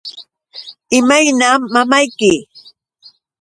¿Imaynam mamayki?